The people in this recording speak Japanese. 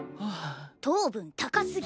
糖分高すぎ。